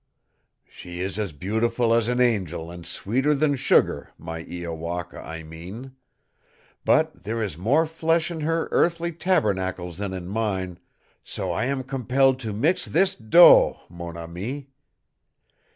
She is as beautiful as an angel and sweeter than sugar my Iowaka, I mean; but there is more flesh in her earthly tabernacle than in mine, so I am compelled to mix this dough, mon ami.